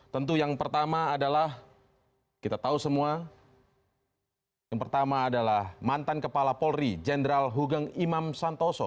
tentu yang pertama adalah kita tahu semua yang pertama adalah mantan kepala polri jenderal hugeng imam santoso